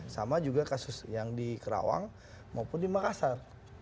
sama juga kasus yang di kerawang maupun di makassar